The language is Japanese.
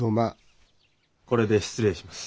これで失礼します。